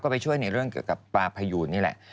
ไปช่วยในเรื่องเกี่ยวกับปลาพยูนนี่แหละ